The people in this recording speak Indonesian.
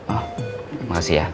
oh makasih ya